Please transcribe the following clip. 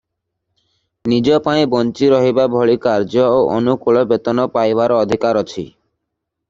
ନିଜ ପାଇଁ ବଞ୍ଚି ରହିବା ଭଳି କାର୍ଯ୍ୟ ଓ ଅନୁକୂଳ ବେତନ ପାଇବାର ଅଧିକାର ଅଛି ।